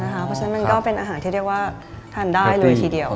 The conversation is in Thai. เพราะฉะนั้นมันก็เป็นอาหารที่เรียกว่าทานได้เลยทีเดียว